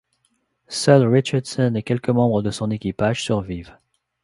Seuls Richardson et quelques membres de son équipage survivent.